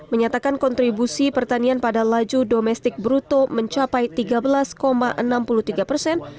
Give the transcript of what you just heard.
menyatakan kontribusi pertanian pada laju domestik bruto mencapai tiga belas enam puluh tiga persen